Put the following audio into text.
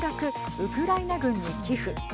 ウクライナ軍に寄付。